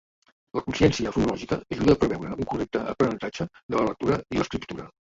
La consciència fonològica ajuda a preveure un correcte aprenentatge de la lectura i l’escriptura.